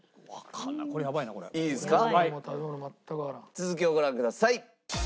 続きをご覧ください。